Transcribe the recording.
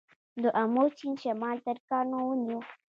د امو سیند شمال ترکانو ونیو